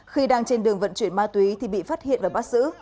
khi đang trên đường vận chuyển ma túy thì bị phát hiện và bắt giữ